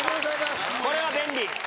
これは便利。